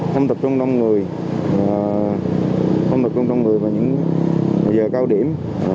không tập trung đông người không tập trung đông người vào những giờ cao điểm